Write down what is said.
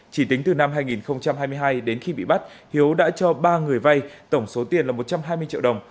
chỉ tính từ năm hai nghìn hai mươi hai đến khi bị bắt hiếu đã cho ba người vay tổng số tiền là một trăm hai mươi triệu đồng